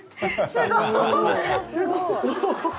すごい！